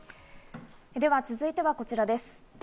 では続いてはこちらです。